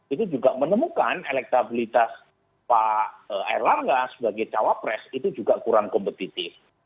itu juga menemukan elektabilitas pak air langga sebagai cawa pres itu juga kurang kompetitif